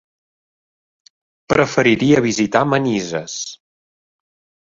Preferiria visitar Manises.